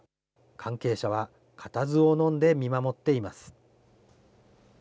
関係者は固唾をのんで見守っています。